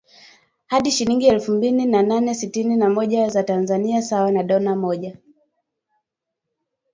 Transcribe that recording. hadi shilingi elfu mbili mia nane sitini na moja za Tanzania sawa na dola mmoja